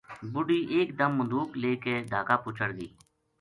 بڈھی ایک دم مدوک لے کے ڈھاکا پو چڑھ گئی